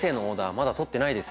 まだとってないですよ。